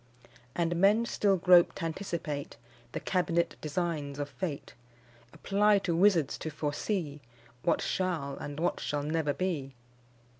And men still grope t' anticipate The cabinet designs of Fate; Apply to wizards to foresee What shall and what shall never be.